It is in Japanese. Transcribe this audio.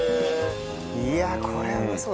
いやこれはうまそう。